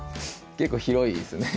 結構広いですね